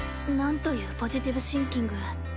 なんというポジティブシンキング。